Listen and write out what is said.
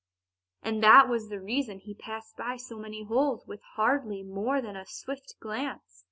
And that was the reason he passed by so many holes with hardly more than a swift glance.